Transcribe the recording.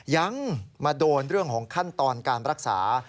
ยังมาโดนเรื่องของขั้นตอนการรักษา